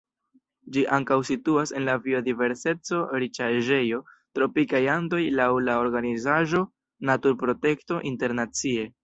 Ĝi ankaŭ situas en la biodiverseco-riĉaĵejo Tropikaj Andoj laŭ la organizaĵo Naturprotekto Internacie.